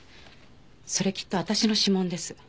それきっと私の指紋です。